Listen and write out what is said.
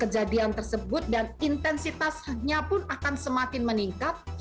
kejadian tersebut dan intensitasnya pun akan semakin meningkat